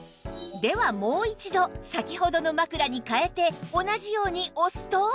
ではもう一度先ほどの枕に替えて同じように押すと